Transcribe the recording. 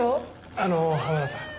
あの濱田さん